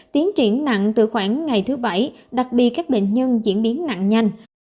tiến triển nặng từ khoảng ngày thứ bảy đặc biệt các bệnh nhân diễn biến nặng nhanh